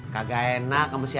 kagak enak sama si ani